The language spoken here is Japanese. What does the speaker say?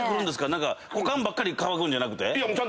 股間ばっかり乾くんじゃなくて？